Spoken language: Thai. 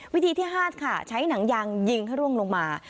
วิธีที่๕ค่ะใช้หนังยางยิงให้ร่วงลงมา